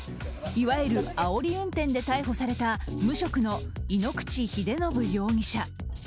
いわゆるあおり運転で逮捕された無職の井ノ口秀信容疑者。